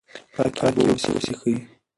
پاکې اوبه وڅښئ.